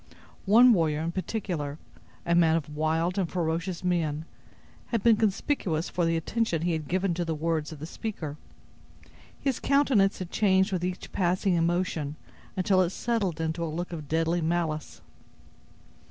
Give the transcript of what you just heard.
One warrior in particular, a man of wild and ferocious mien, had been conspicuous for the attention he had given to the words of the speaker. His countenance had changed with each passing emotion, until it settled into a look of deadly malice.